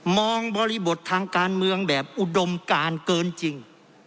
บริบททางการเมืองแบบอุดมการเกินจริง